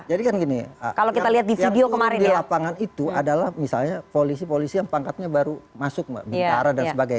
jadi kan gini yang turun di lapangan itu adalah misalnya polisi polisi yang pangkatnya baru masuk mbak bintara dan sebagainya